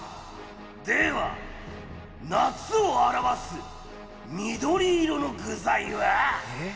では夏を表す緑色の具材は？